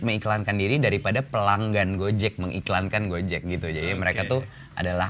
mengiklankan diri daripada pelanggan gojek mengiklankan gojek gitu jadi mereka tuh adalah